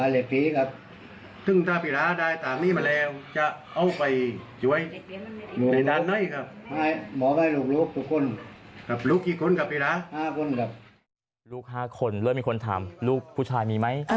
ลูก๕คนเริ่มมีคนถามลูกผู้ชายมีไหม